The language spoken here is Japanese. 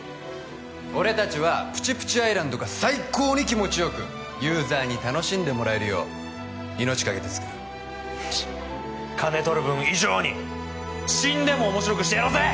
俺達は「プチプチアイランド」が最高に気持ちよくユーザーに楽しんでもらえるよう命懸けて作る金取る分以上に死んでも面白くしてやろうぜ！